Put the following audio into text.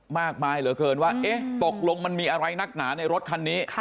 มากมายเหลือเกินว่าเอ๊ะตกลงมันมีอะไรนักหนาในรถคันนี้